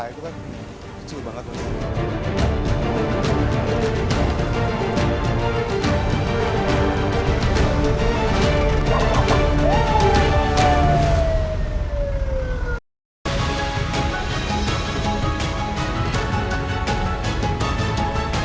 itu kan kecil banget